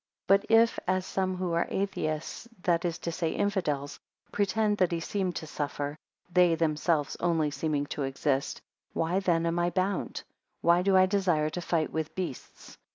13 But if, as some who are Atheists, that is to say infidels, pretend, that he seemed to suffer, (they themselves only seeming to exist) why then am I bound? Why do I desire to fight with beasts?